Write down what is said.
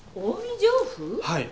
はい。